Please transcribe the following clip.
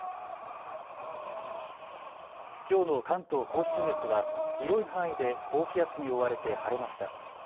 きょうの関東甲信越は広い範囲で高気圧に覆われて晴れました。